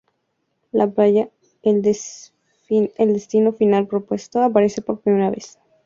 La playa, el destino final propuesto, aparece por primera vez.